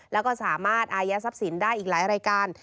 แล้วก็สามารถอายัดทรัพย์สินได้อีกหลายรายการ